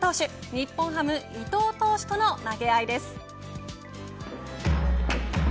日本ハム伊藤投手との投げ合いです。